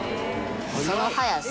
その速さ